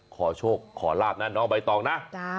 ขอโชคขอลาภนั่นออกไปต่อนะ